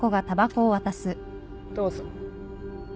どうぞ。